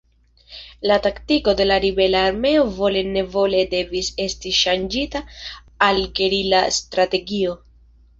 La taktiko de la ribela armeo vole-nevole devis esti ŝanĝita al gerila strategio.